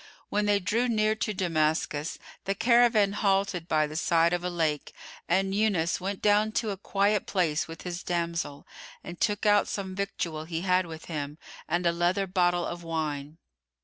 When they drew near to Damascus, the caravan halted by the side of a lake and Yunus went down to a quiet place with his damsel and took out some victual he had with him and a leather bottle of wine.